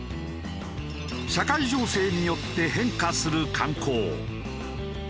社会情勢によって変化する観光。